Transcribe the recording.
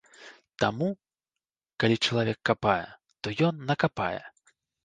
Таму, калі чалавек капае, то ён накапае.